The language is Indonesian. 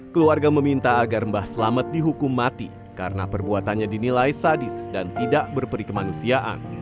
keluarga meminta agar bah selamet dihukum mati karena perbuatannya dinilai sadis dan tidak berperikemanusiaan